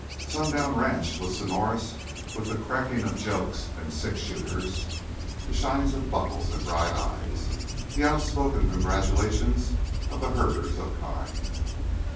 Sundown Ranch was sonorous with the cracking of jokes and sixshooters, the shine of buckles and bright eyes, the outspoken congratulations of the herders of kine.